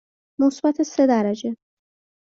مثبت سه درجه.